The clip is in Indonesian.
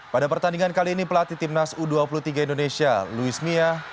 pada pertandingan kali ini pelatih timnas u dua puluh tiga indonesia luis mia